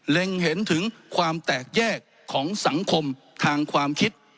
เห็นถึงความแตกแยกของสังคมทางความคิด